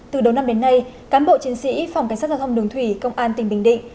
từ đầu năm đến nay cán bộ chiến sĩ phòng cảnh sát giao thông đường thủy công an tỉnh bình định